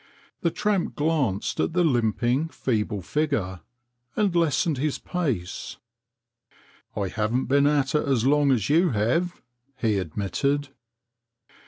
The tramp glanced at the limping, feeble figure and lessened his pace. " I haven't been at it as long as you have," he admitted.